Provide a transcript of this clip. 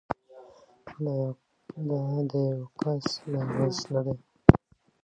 دا د یوه کس لغزش نه دی.